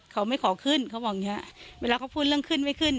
เขาไม่ขอขึ้นเขาบอกอย่างเงี้ยเวลาเขาพูดเรื่องขึ้นไม่ขึ้น